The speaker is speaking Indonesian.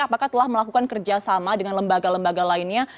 apakah telah melakukan kerjasama dengan lembaga lembaga lainnya